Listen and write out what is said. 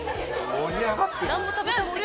盛り上がってる。